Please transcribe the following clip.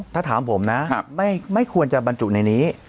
ถ้าถามผมนะไม่ควรจะบรรจุในนี้